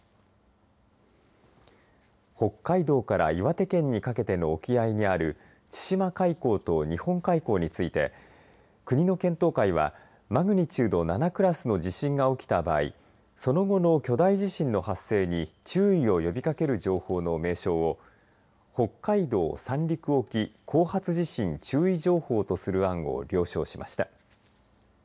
北海道から岩手県にかけての沖合にある千島海溝と日本海溝について国の検討会はマグニチュード７クラスの地震が起きた場合その後の巨大地震の発生に注意を呼びかける情報の名称を北海道・三陸沖後発地震注意情報とする案を了承しました。